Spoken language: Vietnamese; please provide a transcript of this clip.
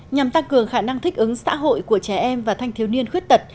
nhằm tăng cường khả năng thích ứng xã hội của trẻ em và thanh thiếu niên khuyết tật